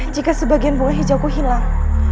jika sebagian bunga hijauku hilang